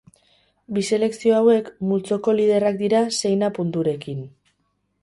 Bi selekzio hauek multzoko liderrak dira seina punturekin.